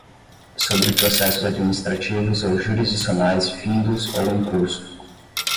sobre processos administrativos ou jurisdicionais findos ou em curso;